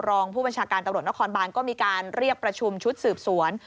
รองผู้บัญชาการตำรวจนครบานก็มีการเรียกประชุมชุดสืบสวน